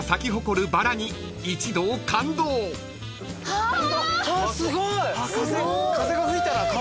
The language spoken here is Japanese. はぁ！